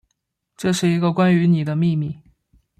这是一个关于妳的秘密